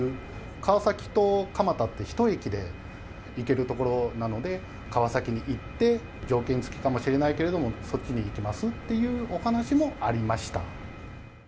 川崎と蒲田って１駅で行ける所なので、川崎に行って、条件付きかもしれないけれども、そっちに行きますというお話もありました。